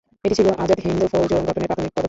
এটি ছিল আজাদ হিন্দ ফৌজ গঠনের প্রাথমিক পদক্ষেপ।